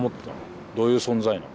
どういう存在なの？